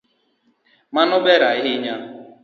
Mano ber ahinya